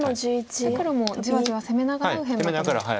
黒もじわじわ攻めながら右辺。